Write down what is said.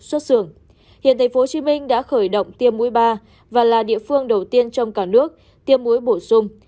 xuất xưởng hiện tp hcm đã khởi động tiêm mũi ba và là địa phương đầu tiên trong cả nước tiêm muối bổ sung